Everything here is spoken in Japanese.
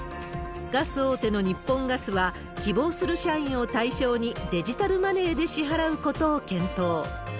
ガス大手の日本瓦斯は、希望する社員を対象に、デジタルマネーで支払うことを検討。